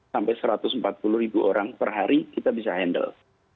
sampai satu ratus empat puluh ribu orang per hari kita bisa handle